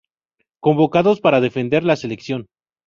Convocados para defender la selección.